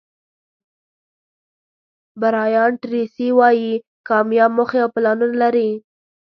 برایان ټریسي وایي کامیاب موخې او پلانونه لري.